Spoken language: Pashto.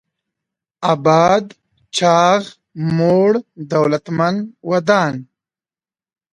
اباد: چاغ، موړ، دولتمن، ودان